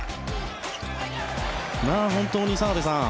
本当に澤部さん